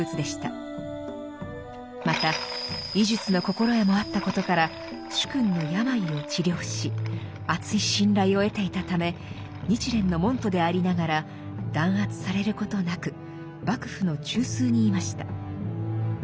また医術の心得もあったことから主君の病を治療しあつい信頼を得ていたため日蓮の門徒でありながら弾圧されることなく幕府の中枢にいました。